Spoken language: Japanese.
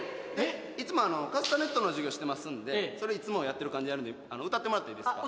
いつもカスタネットの授業してますのでいつもやってる感じでやるので歌ってもらっていいですか？